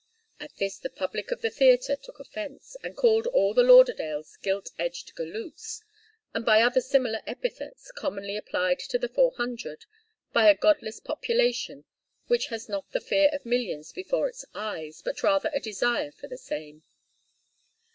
At this the public of the theatre took offence, and called all the Lauderdales gilt edged galoots, and by other similar epithets commonly applied to the Four Hundred by a godless population which has not the fear of millions before its eyes, but rather a desire for the same.